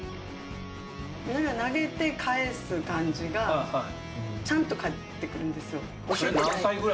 弥菜美は投げて返す感じがちゃんと返ってくるんですよ。